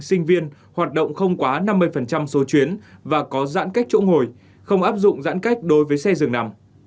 sinh viên hoạt động không quá năm mươi số chuyến và có giãn cách chỗ ngồi không áp dụng giãn cách đối với xe dường nằm